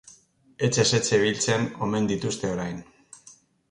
Etxez etxe biltzen omen dituzte orain.